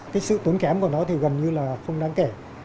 cái sự tốn kém của nó thì gần như là không đáng kể